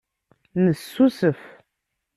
Nessusef.